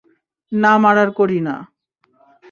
না মারার করি না।